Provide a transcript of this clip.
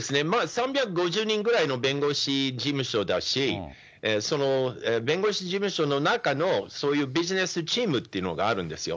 ３５０人ぐらいの弁護士事務所だし、弁護士事務所の中のそういうビジネスチームっていうのがあるんですよ。